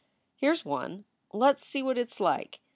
Here s one. Let s see what it s like."